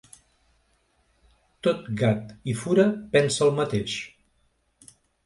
Tot gat i fura pensa el mateix.